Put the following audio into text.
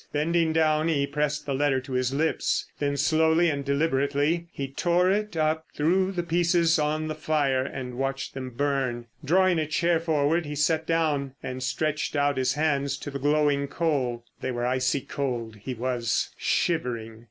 Bending down he pressed the letter to his lips. Then slowly and deliberately he tore it up, threw the pieces on to the fire and watched them burn. Drawing a chair forward he sat down and stretched out his hands to the glowing coal. They were icy cold. He was shivering.